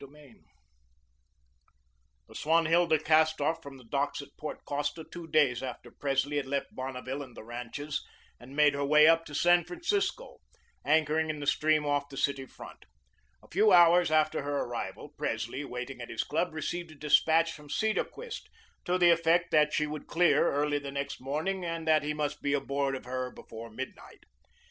CONCLUSION The "Swanhilda" cast off from the docks at Port Costa two days after Presley had left Bonneville and the ranches and made her way up to San Francisco, anchoring in the stream off the City front. A few hours after her arrival, Presley, waiting at his club, received a despatch from Cedarquist to the effect that she would clear early the next morning and that he must be aboard of her before midnight.